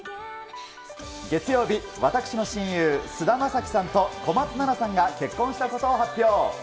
月曜日、私の親友、菅田将暉さんと小松菜奈さんが結婚したことを発表。